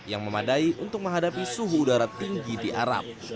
yang memadai untuk menghadapi suhu udara tinggi di arab